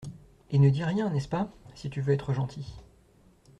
Et ne dis rien, n'est-ce pas ? si tu veux être gentil.